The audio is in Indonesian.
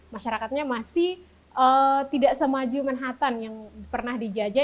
masyarakatnya masih tidak semaju manhattan yang pernah dijajah